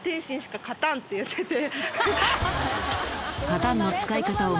って言ってて。